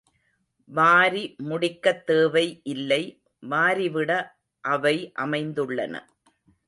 வாரி முடிக்கத் தேவை இல்லை வாரிவிட அவை அமைந்துள்ளன.